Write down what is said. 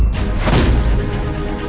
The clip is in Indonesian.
malin jangan lupa